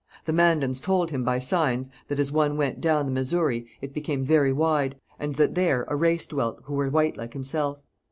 The Mandans told him by signs that as one went down the Missouri it became very wide, and that there a race dwelt who were white like himself.